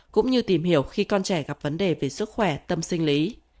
cũng như tìm hiểu khi con trẻ gặp vấn đề về sức khỏe tâm sinh lý